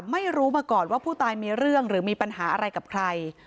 ไม่รู้มาก่อนว่าผู้ตายมีเรื่องหรือมีปัญหาอะไรกับใคร